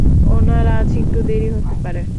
উনার আজ একটু দেরি হতে পারে।